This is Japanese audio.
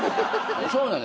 そうなのよ。